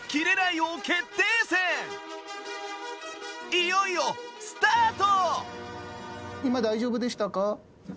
いよいよスタート！